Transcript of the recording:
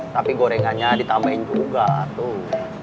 tapi gorengannya ditambahin juga tuh